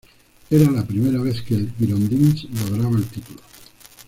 Era la primera vez que el Girondins lograba el título.